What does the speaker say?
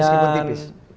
tapi masih pun tipis